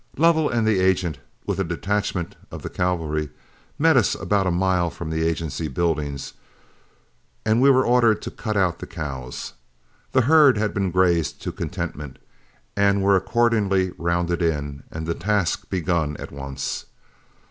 Lovell and the agent, with a detachment of the cavalry, met us about a mile from the agency buildings, and we were ordered to cut out the cows. The herd had been grazed to contentment, and were accordingly rounded in, and the task begun at once.